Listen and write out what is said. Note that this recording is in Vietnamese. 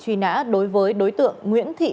truy nã đối với đối tượng nguyễn thị